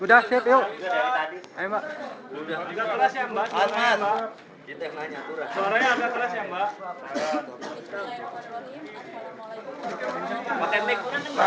udah siap yuk